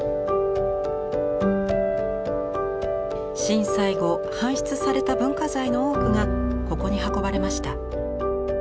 震災後搬出された文化財の多くがここに運ばれました。